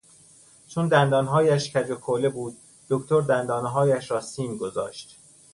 چون دندانهایش کج و کوله بود دکتر دندانهایش را سیم گذاشت.